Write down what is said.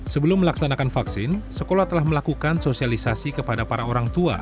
sebelum melaksanakan vaksin sekolah telah melakukan sosialisasi kepada para orang tua